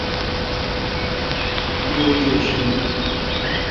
می۔ وجود شیلون۔